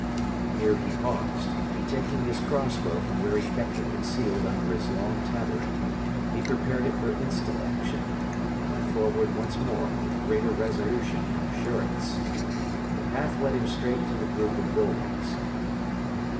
Here he paused, and taking his crossbow from where he kept it concealed under his long tabard, he prepared it for instant action, and went forward once more with greater resolution and assurance. The path led him straight to the group of buildings.